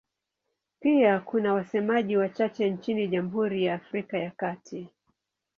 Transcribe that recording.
Pia kuna wasemaji wachache nchini Jamhuri ya Afrika ya Kati.